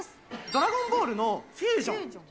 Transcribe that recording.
ドラゴンボールのフュージョン。